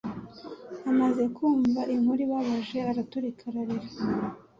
Amaze kumva inkuru ibabaje araturika ararira